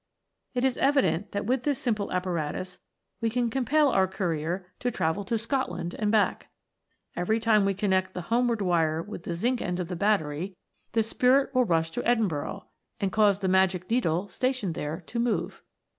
It is evident that with this simple apparatus we can com pel our courier to travel to Scotland and back. Every time we connect the homeward wire with the zinc end of the battery, the Spirit will rush to C 2 20 THE AMBER SPIRIT. Edinburgh, and cause the magic needle stationed there to move.